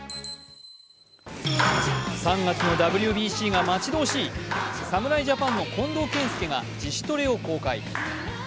３月のＷＢＣが待ち遠しい侍ジャパンの近藤健介が自主トレを公開。